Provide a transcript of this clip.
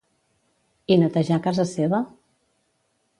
I netejà casa seva?